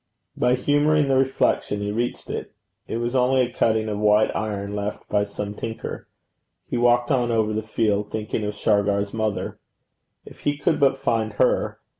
By humouring the reflection he reached it. It was only a cutting of white iron, left by some tinker. He walked on over the field, thinking of Shargar's mother. If he could but find her!